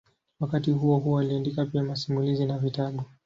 Wakati huohuo aliandika pia masimulizi na vitabu.